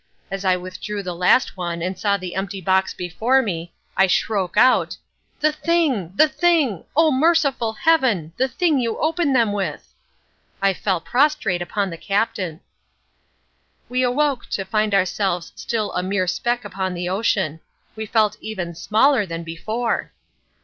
As I withdrew the last one and saw the empty box before me, I shroke out—"The thing! the thing! oh, merciful Heaven! The thing you open them with!" I fell prostrate upon the Captain. We awoke to find ourselves still a mere speck upon the ocean. We felt even smaller than before.